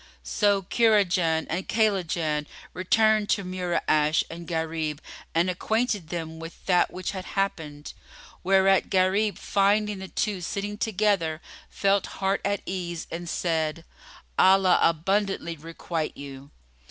So Kurajan and Kaylajan returned to Mura'ash and Gharib; and acquainted them with that which had happened, whereat Gharib finding the two sitting together felt heart at ease and said, "Allah abundantly requite you!"